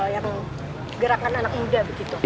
yang gerakan anak muda begitu